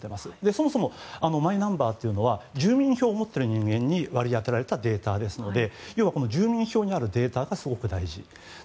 そもそもマイナンバーというのは住民票を持っている人間に割り当てられたデータですので要は住民票にあるデータがすごく大事。